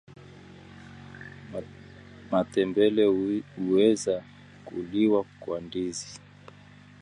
Matembele huweza kuliwa kwa ndizi